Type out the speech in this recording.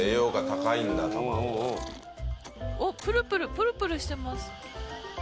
おっプルプルプルプルしてます。